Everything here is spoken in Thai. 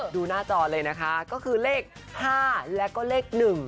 ดูหน้าจอเลยนะคะก็คือเลข๕แล้วก็เลข๑